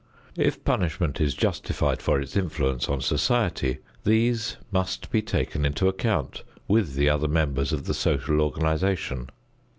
If punishment is justified for its influence on society, these must be taken into account with the other members of the social organization.